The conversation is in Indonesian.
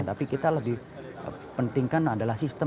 tapi kita lebih pentingkan adalah sistem